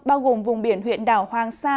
bao gồm vùng biển huyện đảo hoàng sa